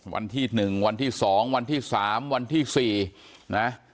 วันที่หนึ่งวันที่สองวันที่สามวันที่สี่นะ